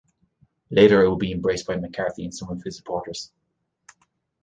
Later, it would be embraced by McCarthy and some of his supporters.